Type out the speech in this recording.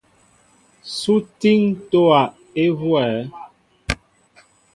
Sú étííŋ ntówa huwɛέ ?